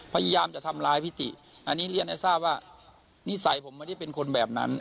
พยายามจะทำร้ายพี่ติอันนี้เรียนให้ทราบว่านิสัยผมไม่ได้เป็นคนแบบนั้น